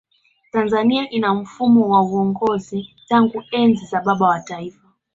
tanzania ina mfumo wa uongozi tangu enzi za baba wa taifa